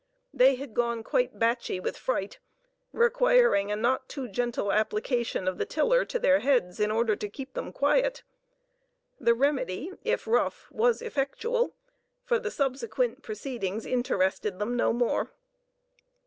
They had gone quite "batchy" with fright, requiring a not too gentle application of the tiller to their heads in order to keep them quiet. The remedy, if rough, was effectual, for "the subsequent proceedings interested them no more."